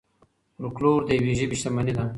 فولکلور د یوې ژبې شتمني ده.